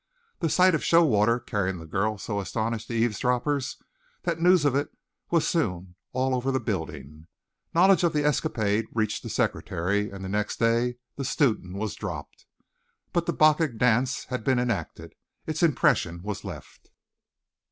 The sight of Showalter carrying the girl so astonished the eavesdroppers that the news of it was soon all over the building. Knowledge of the escapade reached the Secretary and the next day the student was dropped. But the Bacchic dance had been enacted its impression was left.